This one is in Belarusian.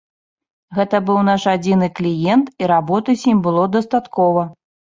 Гэта быў наш адзіны кліент і работы з ім было дастаткова.